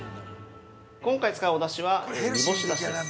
今回使うお出汁は煮干し出汁です。